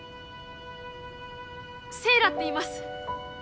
セイラっていいます